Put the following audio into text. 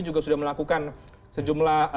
juga sudah melakukan sejumlah